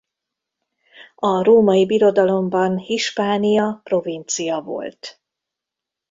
A Római Birodalomban Hispania provincia volt.